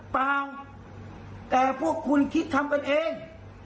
เปล่าแต่พวกคุณคิดทำกันเอง